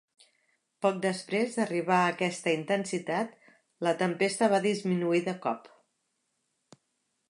Poc després d'arribar a aquesta intensitat, la tempesta va disminuir de cop.